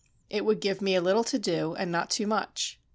It would give me a little to do and not too much.